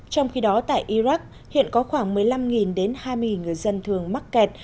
trong khi đó tại iraq hiện có khoảng một mươi năm đến hai mươi người dân thường mắc kẹt